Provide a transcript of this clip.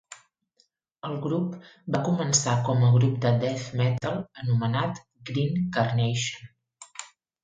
El grup va començar com a grup de death metal anomenat Green Carnation.